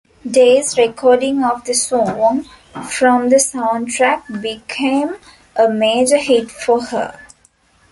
Day's recording of the song, from the soundtrack, became a major hit for her.